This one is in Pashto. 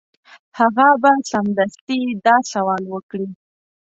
هغه به سمدستي دا سوال وکړي.